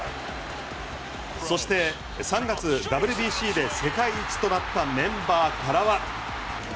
そして３月ＷＢＣで世界一となったメンバーからは。